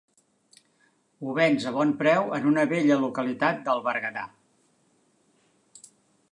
Ho vens a bon preu en una bella localitat del Berguedà.